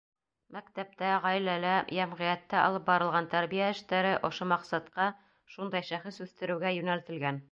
Мәктәптә, ғаиләлә, йәмғиәттә алып барылған тәрбиә эштәре ошо маҡсатҡа — шундай шәхес үҫтереүгә — йүнәлтелгән.